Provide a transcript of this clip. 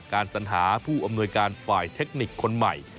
สัญหาผู้อำนวยการฝ่ายเทคนิคคนใหม่